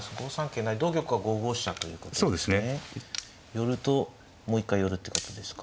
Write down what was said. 寄るともう一回寄るってことですか。